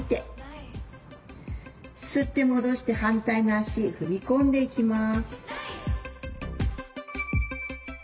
吸って戻して反対の足踏み込んでいきます。